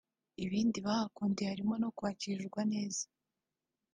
Mu bindi bahakundira harimo no kwakirwa neza